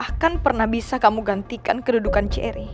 gak akan pernah bisa kamu gantikan kedudukanmu